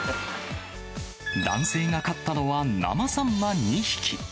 男性が買ったのは生サンマ２匹。